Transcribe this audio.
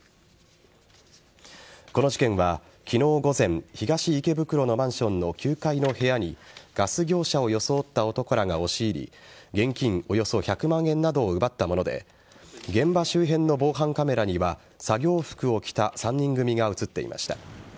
この事件は昨日午前、東池袋のマンションの９階の部屋にガス業者を装った男らが押し入り現金およそ１００万円などを奪ったもので現場周辺の防犯カメラには作業服を着た３人組が映っていました。